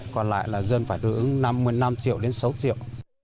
còn lại là dân phải đối ứng năm mươi năm triệu đến sáu triệu